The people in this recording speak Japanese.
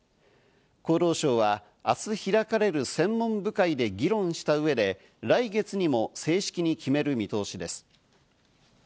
厚労省は明日開かれる専門部会で議論した上で、来月にも正式に決める見通しです。